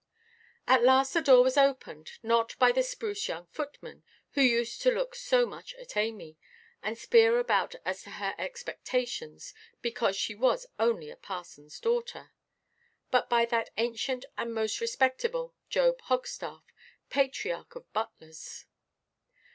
At last the door was opened, not by the spruce young footman (who used to look so much at Amy, and speer about as to her expectations, because she was only a parsonʼs daughter), but by that ancient and most respectable Job Hogstaff, patriarch of butlers.